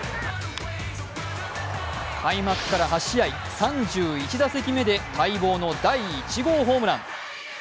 開幕から８試合３１打席目で待望の第１号ホームラン。